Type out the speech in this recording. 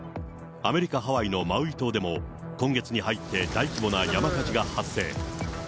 アメリカ・ハワイのマウイ島でも、今月に入って大規模な山火事が発生。